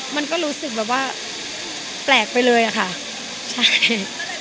มันก็รู้สึกแบบว่าแปลกไปเลยอะค่ะใช่